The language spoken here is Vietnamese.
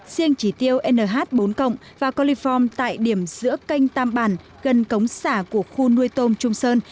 riêng chỉ tiêu nh bốn và coliform tại điểm giữa canh tam bản gần cống xả của khu nuôi tôm trung sơn